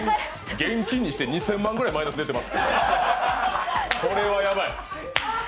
現金にして２０００万くらいマイナス出てます。